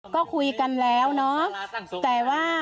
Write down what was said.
ก็คุยกันแล้วเนอะ